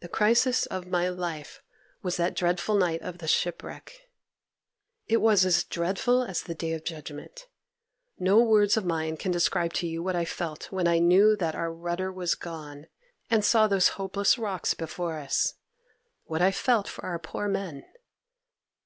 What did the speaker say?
'The crisis of my life was that dreadful night of the shipwreck. It was as dreadful as the day of judgment. No words of mine can describe to you what I felt when I knew that our rudder was gone, and saw those hopeless rocks before us—what I felt for our poor men!